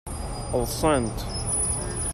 Ḍsant.